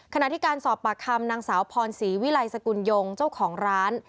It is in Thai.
ขณะที่การสอบปากคำนางสาวพรศรีวิลัยสกุลยงเจ้าของร้าน